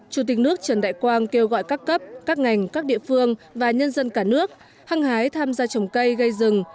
chủ tịch nước trần đại quang kêu gọi các cấp các ngành các địa phương và nhân dân cả nước hăng hái tham gia trồng cây gây rừng